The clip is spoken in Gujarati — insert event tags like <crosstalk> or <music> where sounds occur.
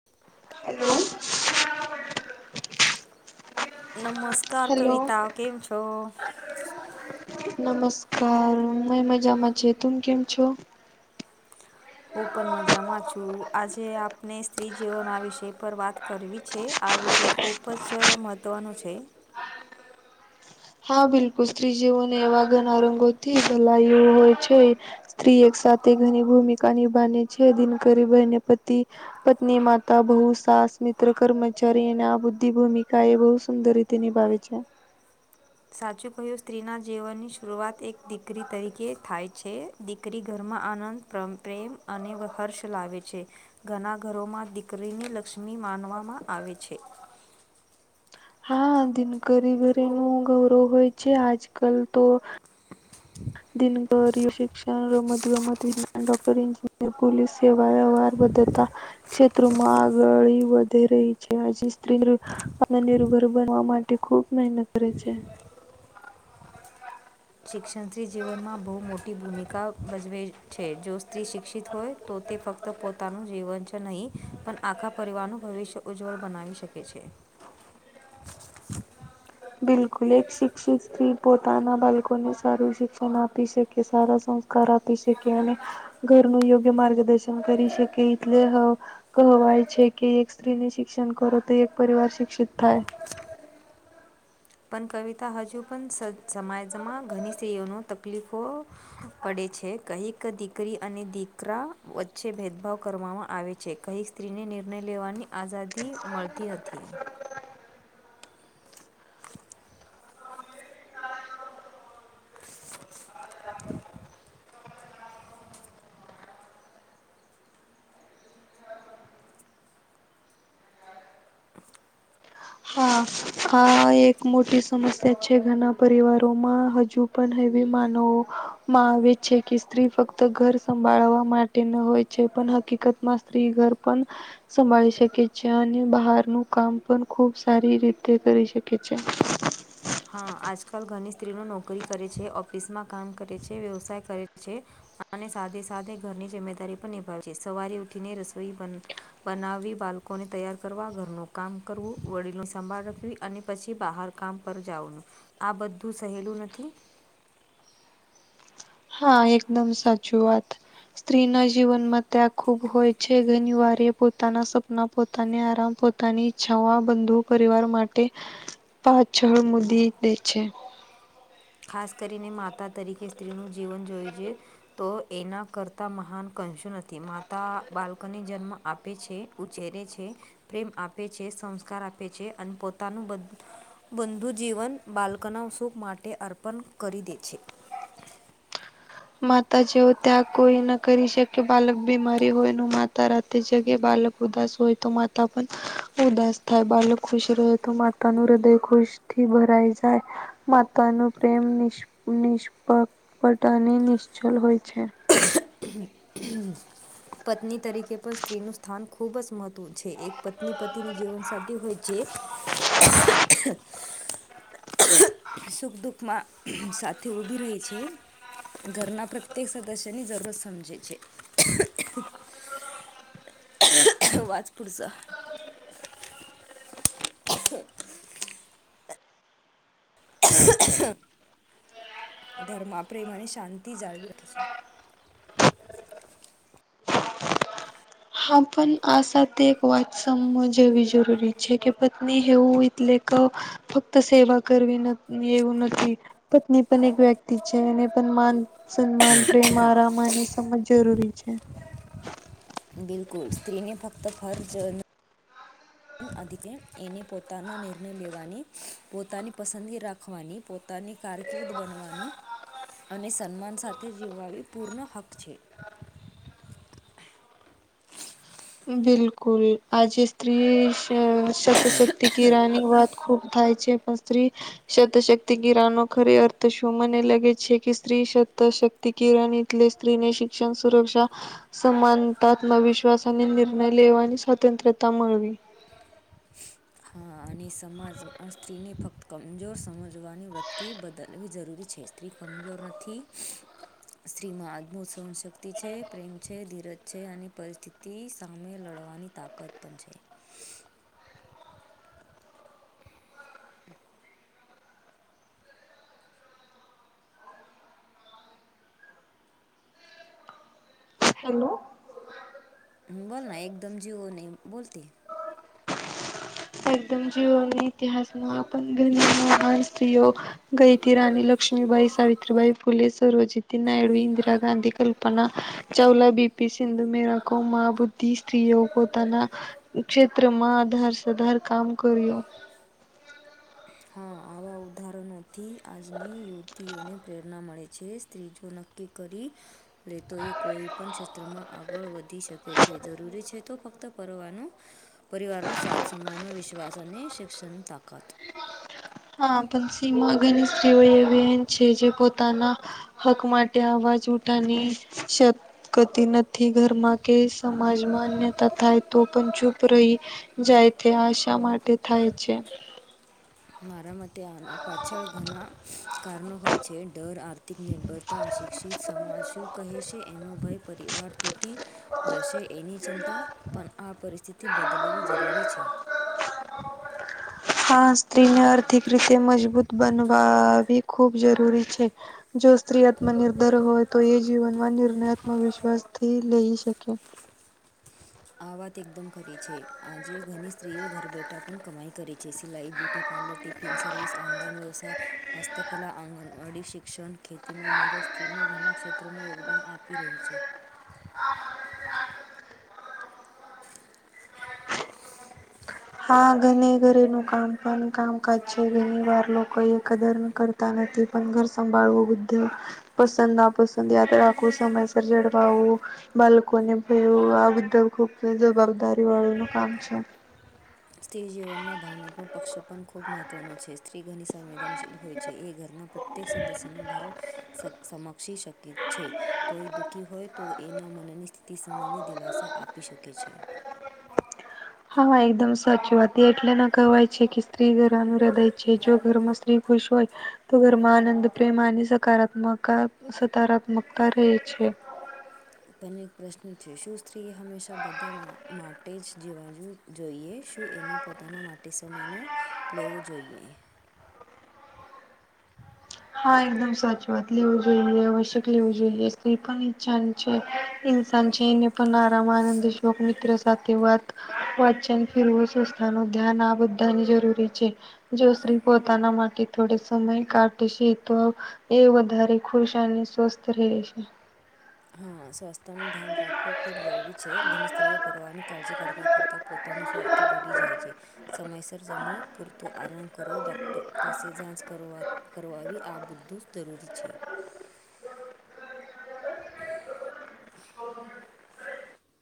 <unintelligible> હલો <inaudible> નમસ્કાર કવિતા કેમ છો? નમસ્કાર મય મજામાં છે. તુમ કેમ છો? હું પણ મજામાં છું. આજે આપને સ્ત્રીજીવન આ વિષય પર વાત કરવી છે? આ વિષે ખૂબ જ મહત્ત્વનો છે. હા, બિલકુલ સ્ત્રી જેવોને એવા ઘણા રંગોથી સલાય હોય છે. થ્રી એક સાથે ઘણી ભૂમિકા નિભાને છે. દિનકરી, બહેને પતિ પત્ની, માતા, બહુ, સાસ, મિત્ર, કર્મચારી અને આ બુદ્ધિ ભૂમિકા એ બોવ સુંદરિત. તે નિભાવે છે. સાચું કહ્યું, સ્ત્રીના જીવનની શરૂઆત એક દીકરી તરીકે થાય છે. દીકરી ઘરમાં આનંદ પ્ર પ્રેમ અને વ હર્ષ લાવે છે. ઘણા ઘરોમાં દીકરીને લક્ષ્મી માનવામાં આવે છે. હા, દિનકરી ઘરીનું ગૌરવ હોય છે, આજ કલ તો <unintelligible> શિક્ષણ, રમત ગમત, વિજ્ઞાન, ડોક્ટર, એન્જિનિયર, પોલીસ સેવા <unintelligible> બદ્ધતા. ક્ષેત્રોમાં આગળ ઈ વધી રહી છે. હજી સ્ત્રી અને નિર્ભર બનવા માટે ખૂબ મહેનત કરે છે. શિક્ષણથી જીવનમાં બોવ મોટી ભૂમિકા ભજવે છે. જો સ્ત્રી શિક્ષિત હોય તો તે ફક્ત પોતાનું જીવન છ નહીં પણ, આખા પરિવારનું ભવિષ્ય ઉજ્જવળ બનાવી શકે છે. બિલકુલ, એક શિક્ષિત સ્ત્રી પોતાના બાલકોને સારું શિક્ષણ આપી શકે. સારા સં કાર આપી શકે અને ઘરનું યોગ્ય માર્ગદર્શન કરી શકે એટલે હ કહવાય છે કે એક સ્ત્રીને શિક્ષણ કરો તો એક પરિવાર શિક્ષિત થાય. પણ કવિતા, હજુ પણ સ સમાજમાં ઘણી સ્ત્રીઓનો તકલીફો પડે છે. કહીક દીકરી અને દીકરા વચ્ચે ભેદભાવ કરવામાં આવે છે. કહી સ્ત્રીને નિર્ણય લેવાની આઝાદી મળતી નથી. <inaudible> <inaudible> હા. હા, એક મોટી સમસ્યા છે ઘણા પરિવારોમાં. હજુ પણ હેવી માનવો મહાવેજ છે કે સ્ત્રી ફક્ત ઘર સંભાળવા માટે ન હોય છે, પણ હકીકતમાં સ્ત્રી ઘર પણ સંભાળી શકે છે અને બહારનું કામ પણ ખુબ સારી રીત થી કરી શકે છે. હા, આજકાલ ઘણી સ્ત્રીઓ નોકરી કરે છે, ઓફિસમાં કામ કરે છે, વ્યવસાય કરે છે. અને સાથે સાદે ઘરની જીમ્મેદારી પણ નિભાવીએ. સવારે ઉઠીને રસોઈ બન બનાવવી, બાલકોને તૈયાર કરવા, ઘરનું કામ કરવું, વડીલનુ સંભાળ રાખવી અને પછી બહાર કામ પર જાવનું. આ બધું સહેલું નથી. હા, એકદમ સાચુ વાત. સ્ત્રીના જીવનમાં ત્યાગ ખુબ હોય છે. ઘણી વાર એ પોતાના સપના પોતાને આરામ, પોતાની ઈચ્છાઓ આ બંધુ પરિવાર માટે પાછળ મુદી દે છે. ખાસ કરીને માતા તરીકે સ્ત્રીનું જીવન જોય જે તો, એના કરતા મહાન કંશું નથી માતા બાલકોને જન્મ આપે છે. ઉછેરે છે. પ્રેમ આપે છે. સંસ્કાર આપે છે અને પોતાનું બંધુજીવન બાલ્કના સુખ માટે અર્પણ કરી દે છે. માતા જેવો ત્યાગ કોઈ ન કરી શકે. બાલક બીમારી હોય ન માતા રાતે જગે બાલક ઉદાસ હોય તો માતા પણ ઉદાસ થાય. બાલક ખુશ રહે તો માતા નું હૃદય ખુશ થી ભરાઈ જાય. માતા નું પ્રેમ નિશ નિષ્પ પટ ની ની નિશ્છલ હોય છે. <unintelligible> પત્ની તરીકે પણ સ્ત્રીનું સ્થાન ખૂબ જ <unintelligible> છે. એક પત્ની પતિની જીવનસાથી હોય <unintelligible> સુખ દુઃખમાં સાથે ઊભી રહી છે. ઘરના પ્રત્યેક સદસ્યની જરૂરત સમજે છે. <unintelligible> વાજ પુરસા. ઘરમાં પ્રેમ અને શાંતિ જાળવી રાખે છે. હા પણ આ સાથે એક વાત સમ જવી જરૂરી છે કે પત્ની હવું એટલે તો ફક્ત સેવા કરવી નથ ની એવું નથી. પત્ની પણ વ્યક્તિ છે. એને પણ માન સન્માન પ્રેમ, આરામ અને સમજ જરૂરી છે. બિલકુલ સ્ત્રીને ફક્ત ફર્જ <unintelligible> આધીતે એને પોતાના નિર્ણય લેવાની પોતાની પસંદગી રાખવાની પો તાની કારકિર્દ બનવાની અને સન્માન સાથે જીવવાવી પૂર્ણ હક છે. બિલકુલ આજે સ્ત્રી શ <unintelligible> શક્તિ કિરાની વાત ખૂબ થાય છે. પણ સ્ત્રી શત શક્તિ કિરાનો ખરી અર્થ શુ? મને લાગે છે કે સ્ત્રી શત શકત <unintelligible> કિરણ એટલે સ્ત્રીને શિક્ષણ સુરક્ષા સમાનત્મવિશ્વાસ અને <unintelligible> <unintelligible> લેવાની સ્વતંત્રતા મળવી. હા અને સમાજ આ સ્ત્રીને ફક્ત કમજોર સમજવાની વત્તિ બદલવી જરૂરી છે. સ્ત્રી કમજોર નથી. સ્ત્રીમાં આદમો સહનશક્તિ છે. પ્રેમ છે. ધીરજ છે. અને પરિસ્થિતિ તિ સામે લડવાની તાકત પણ છે. હેલો હમ બોલના એકદમ જીવો નહી બોલતી. એકદમ જીવની <unintelligible> મહાન સ્ત્રીઓ ગઈ હતી. રાણી લ લક્ષ્મીબાઈ, સાવિત્રી ભાઈ ફુલે, સર્વજનીનાયડુ ઈન્દિરા ગાંધી, કલ્પના ચવલા બીપી સિંધુ મેરા કો મા બંધી સ્ત્રીઓ પોતાના ક્ષેત્રમાં આધાર સધાર કામ કર્યો. હા, આવા ઉદાહરણોથી આજની યુવતીઓને પ્રેરણા મળે છે સ્ત્રીજો નક્કી કે કરી લેતોએ કોઈ પણ ક્ષેત્રમાં આગળ વધી ધી શકે છે. જરૂરી છે તો ફક્ત પરવાનો પરિવારનો સાથ સમાન વિષ વિશ્વાસને શિક્ષણ તાકત. હા પણસીમાં ગણેશજીઓ એન છે જે પોતાનાં હક માટે અવાજ ઉઠાની સ ગતી નથી ઘરમાં કે સમાજમાં અન્યતા થાય તો પણ ચૂપ રહી જાય ત્યાં શા માટે થાય છે? મારાં માટે આના પાછળ ઘણાં કારણો હોય છે ડર, આર્થિક નિર્ભરતા, અશિક્ષિત સમાજ શું કહે છે એનો ભય પરિવાર તૂટી જશે એની ચિંતા પણ આ પરિસ્થિતિ બદલવી જરૂરી છે. હા, સ્ત્રીને આર્થિક રીતે મજબૂત બનવા બી ખૂબ જરૂરી છે. જો સ્ત્રી આત્મનિર્ધર હોય તો એ જીવનનાં નિર્ણયાત્મક વિશ્વાસ થી લઈ શકે. આ વાત એકદમ ખરી છે. આજે ઘણી સ્ત્રીઓ ઘર બેઠા પણ કમાઈ કરે છે. સિલાઈ, beauty parlour, tiffin service, online વ્યવસાય હસ્તકલા, આંગણવાડી શિક્ષણ, ખેતીમાં મધ્યસ્થી નું ઘરનાં ક્ષેત્રોમાં યોગદાન આપી રહી છે. હા ઘરની ઘરે નું કામ પણ કામકાજ છોડીને બાર લોકો એ કદર કર ન <unintelligible> નથી પણ ઘર સંભાળવો બુદ્ધો પસંદ ના પસંદ યાદ રાખવું સમયસર જળવાવું બાળકોને ભું આ બધા ખુબ જવાબદારી વાળું નું કામ છે. સ્ત્રી જીવનમાં ભાવનાત્મક પક્ષ પણ ખૂબ મહત્વનો છે સ્ત્રી ઘણી સંવેદનશી હોય છે એ ઘરના પ્રત્યેક સદસ્યના ભાવ સમ સમક્ષી શકે છે કોઈ દુઃખી હોય તો એના મનની સ્થિતિ સમની દિલાસા આપી શકે છે હા એકદમ સાચી વાત એ એટલે ના કહેવાય છે કે સ્ત્રી ઘરનું હૃદય છે જો ઘરમાં સ્ત્રી ખુશ હોય તો ઘરમાં આનંદ પ્રેમ અને સકારાત્મક ત્મ સકારાત્મકતા રહેે છે પણ એક પ્રશ્ન છે શું સ્ત્રીએ હંમેશા બધા માટે જ જીવા જો જોઈએ શું એને પોતાના માટે સમયનો લેવું જોઈએ હા એકદમ સાચું વાત લેવું જોઈએ આવશ્યક લેવું પણ ઈછાન છે ઈન્સાન છે એને પણ આરામ આરામ શોક મિત્ર સાથે વાત વાચન ફરવું સંસ્થા ન ધ્યાન આ બધાની જરૂરી છે જો સ્ત્રી પોતાના માટે થોડે સમય કાઢ છે તો એ વધારે ખુશ અને સ્વસ્થ રહે છે હા સ્વાસ્થ્ય નું ધ્યાન રાખવું ખૂબ જરૂરી છે ઘણી સ્ત્રીઓ પરવાહની કાળજી કરતાં કરતા પોતાનું સ્વાર્થ ભૂલી જાય છે સમયસર જમો પૂરતો આરામ કરો ડોક્ટર પાસે જાંચ કરવા કરવાવી આ બધું જ જરૂરી છે <inaudible>